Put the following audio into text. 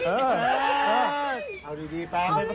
เอาดีไป